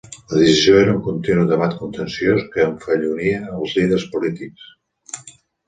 La decisió era un continu debat contenciós que enfellonia els líders polítics.